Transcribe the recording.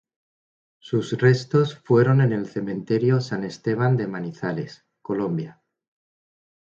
Sus restos fueron en el cementerio San Esteban de Manizales, Colombia.